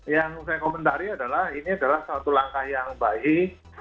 yang saya komentari adalah ini adalah satu langkah yang baik